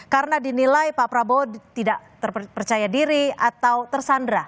karena dinilai pak prabowo tidak terpercaya diri atau tersandra